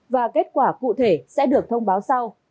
và kết quả cụ thể sẽ được thông báo sau